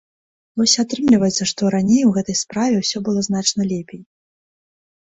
Вось і атрымліваецца, што раней у гэтай справе ўсё было значна лепей.